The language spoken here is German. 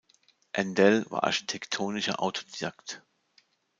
Endell war architektonischer Autodidakt.